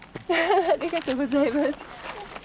ありがとうございます。